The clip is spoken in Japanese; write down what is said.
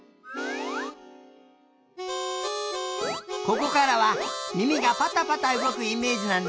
ここからはみみがパタパタうごくイメージなんだ。